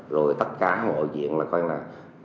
rồi tất cả mọi chuyện là coi như là